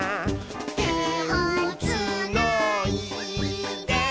「てをつないで」